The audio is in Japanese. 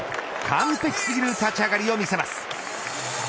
完璧すぎる立ち上がりを見せます。